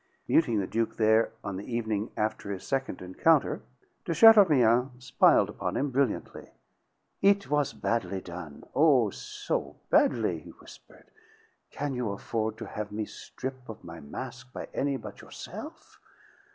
Meeting the Duke there on the evening after his second encounter de Chateaurien smiled upon him brilliantly. "It was badly done; oh, so badly!" he whispered. "Can you afford to have me strip' of my mask by any but yourself?